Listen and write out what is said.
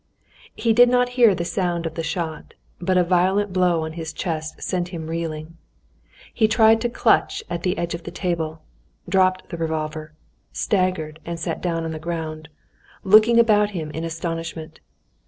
He did not hear the sound of the shot, but a violent blow on his chest sent him reeling. He tried to clutch at the edge of the table, dropped the revolver, staggered, and sat down on the ground, looking about him in astonishment.